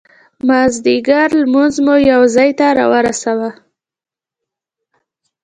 مازدیګر لمونځ مو یو ځای ته را ورساوه.